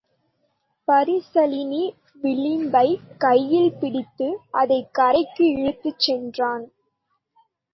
பரிசலின் விளிம்பைக் கையில் பிடித்து அதைக் கரைக்கு இழுத்துச் சென்றான்.